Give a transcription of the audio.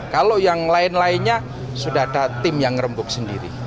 kalau yang lain lainnya sudah ada tim yang rembuk sendiri